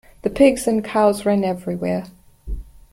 The pigs and cows ran everywhere.